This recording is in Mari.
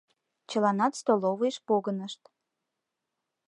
Чыланат столовыйыш погынышт.